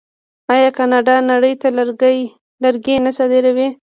آیا کاناډا نړۍ ته لرګي نه صادروي؟